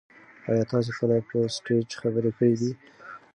ایا تاسي کله په سټیج خبرې کړي دي؟